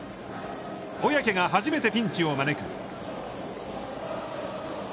小宅が初めてピンチを招く。